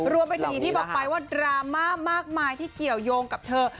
รวมไปถึงอย่างที่บอกไปว่าดราม่ามากมายที่เกี่ยวยงกับเธอ